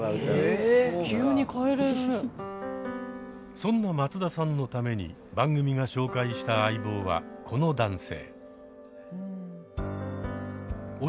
そんな松田さんのために番組が紹介した相棒はこの男性